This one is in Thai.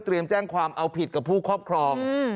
แจ้งความเอาผิดกับผู้ครอบครอง